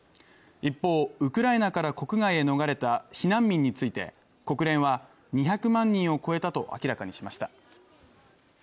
一方、ウクライナから国外へ逃れた避難民について国連は２００万人を超えたと明らかにしました。